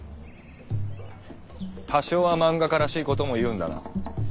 多少は漫画家らしいことも言うんだな。